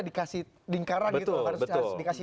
dikasih dingkaran gitu harus dikasih